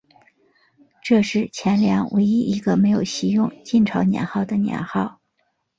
这是前凉唯一一个没有袭用晋朝年号的年号。